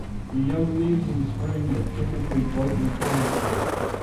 The young leaves in spring are typically brightly coloured.